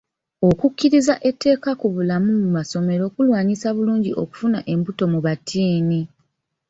Okukkiriza etteeka ku bulamu mu masomero kulwanyisa bulungi okufuna embuto mu batiini.